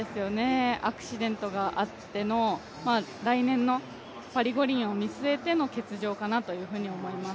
アクシデントがあっての、来年のパリ五輪を見据えての欠場かなというふうに思います。